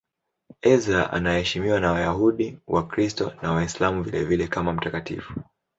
Ezra anaheshimiwa na Wayahudi, Wakristo na Waislamu vilevile kama mtakatifu.